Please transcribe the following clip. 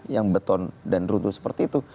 yang beton dan runtuh seperti itu